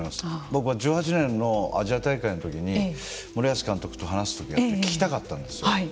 僕は１８年のアジア大会のときに森保監督と話す時があって聞きたかったですよ。